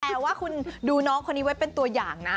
แต่ว่าคุณดูน้องคนนี้ไว้เป็นตัวอย่างนะ